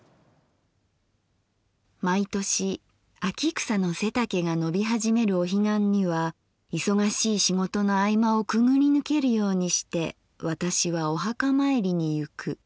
「毎年秋草の背丈が伸びはじめるお彼岸にはいそがしい仕事の合間をくぐりぬけるようにして私はお墓まいりにゆく。